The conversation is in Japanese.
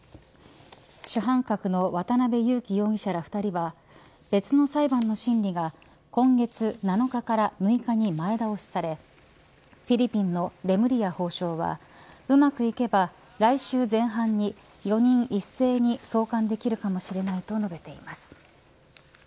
主犯格の渡辺優樹容疑者ら２人は別の裁判の審理が今月７日から６日に前倒しされフィリピンのレムリヤ法相はうまくいけば来週前半に４人一斉に送還できるかもしれないと述べています。